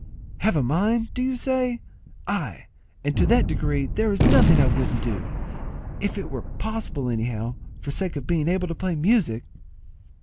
"Have a mind, do you say? Ay, and to that degree that there is nothing I wouldn't do, if it were possible anyhow, for sake of being able to play music."